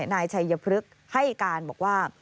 นายชัยพฤกษ์ให้การบอกว่า